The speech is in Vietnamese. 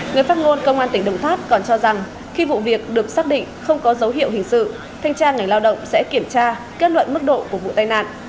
người phát ngôn công an tỉnh đồng tháp còn cho rằng khi vụ việc được xác định không có dấu hiệu hình sự thanh tra ngành lao động sẽ kiểm tra kết luận mức độ của vụ tai nạn